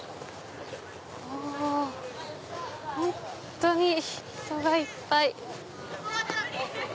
本当に人がいっぱい！